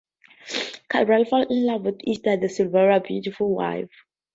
Cabral falls in love with Ester, da Silveira's beautiful wife.